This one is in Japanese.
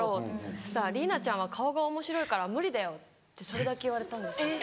そしたら「リイナちゃんは顔がおもしろいから無理だよ」ってそれだけ言われたんです。